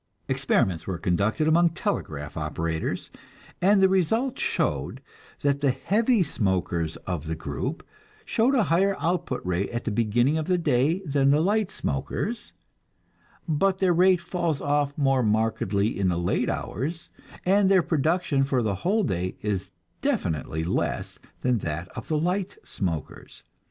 Experiments were conducted among telegraph operators, and the result showed that "the heavy smokers of the group show a higher output rate at the beginning of the day than the light smokers, but their rate falls off more markedly in the late hours, and their production for the whole day is definitely less than that of the light smokers.